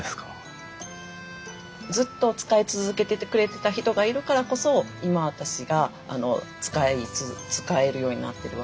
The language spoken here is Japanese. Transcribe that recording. ずっと使い続けててくれてた人がいるからこそ今私が使えるようになってるわけで。